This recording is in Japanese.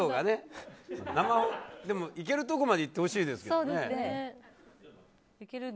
でもいけるとこまでいってほしいですけどね。